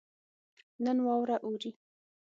نن واوره اوري